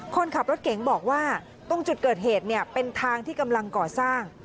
คนขับรถเก๋งบอกว่าตรงจุดเกิดเหตุเนี่ยเป็นทางที่กำลังก่อสร้าง